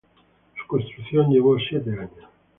Su construcción llevó siete años.